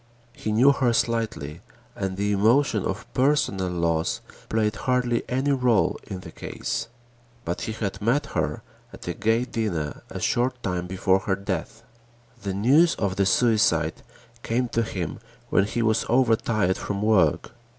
He knew her slightly and the emotion of personal loss played hardly any rôle in the case. But he had met her at a gay dinner a short time before her death. The news of the suicide came to him when he was overtired from work.